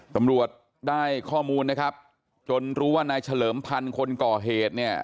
ตำรวจได้ข้อมูลนะครับจนรู้ว่านายเฉลิมพันธ์คนก่อเหตุเนี่ย